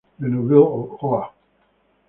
La Neuville-Roy